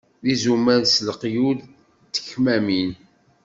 D izumal s leqyud d tekmamin!